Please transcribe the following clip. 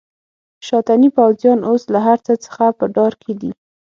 شاتني پوځیان اوس له هرڅه څخه په ډار کې دي.